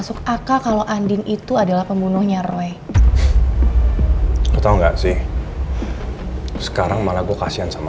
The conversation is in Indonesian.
supaya kamu diampuni dosa dosa kamu